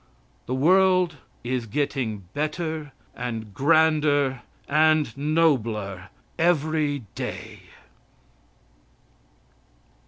The world is getting better and grander and nobler every day.